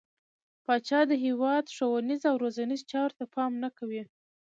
پاچا د هيواد ښونيرو او روزنيزو چارو ته پام نه کوي.